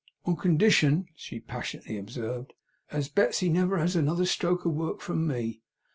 'On condition,' she passionately observed, 'as Betsey never has another stroke of work from me.